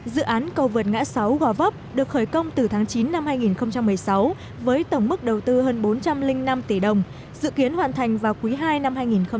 dự án cầu vượt ngã sáu gò vấp được khởi công từ tháng chín năm hai nghìn một mươi sáu với tổng mức đầu tư hơn bốn trăm linh năm tỷ đồng dự kiến hoàn thành vào quý ii năm hai nghìn hai mươi